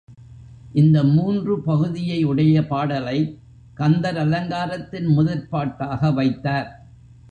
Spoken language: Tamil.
இந்த மூன்று பகுதியை உடைய பாடலைக் கந்தர் அலங்காரத்தின் முதற்பாட்டாக வைத்தார்.